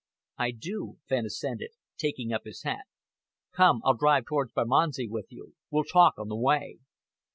"I do," Fenn assented, taking up his hat. "Come, I'll drive towards Bermondsey with you. We'll talk on the way."